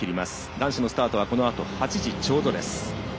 男子のスタートは８時ちょうどです。